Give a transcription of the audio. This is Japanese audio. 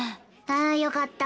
あよかった。